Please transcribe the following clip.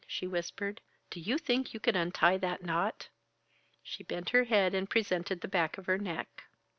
she whispered. "Do you think you could untie that knot?" She bent her head and presented the back of her neck.